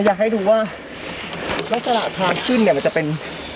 อยากให้ดูว่าลักษณะทางขึ้นเนี่ยมันจะเป็น